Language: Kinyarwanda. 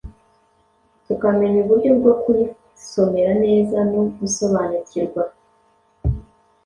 tukamenya uburyo bwo kuyisomera neza no gusobanukirwa